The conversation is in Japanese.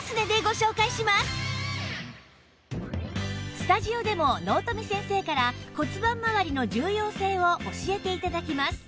スタジオでも納富先生から骨盤まわりの重要性を教えて頂きます